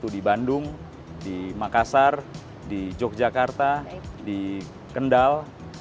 di bandung di makassar di yogyakarta di kendal